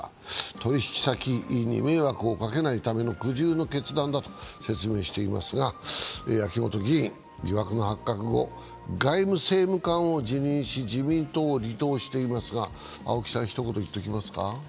取引先に迷惑をかけないための苦渋の決断だと説明していますが、秋本議員、疑惑の発覚後外務政務官を辞任し自民党を離党していますが青木さんひと言言っときますか。